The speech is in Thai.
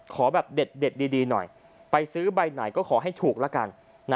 ขอแบบเด็ดดีหน่อยไปซื้อใบไหนก็ขอให้ถูกละกัน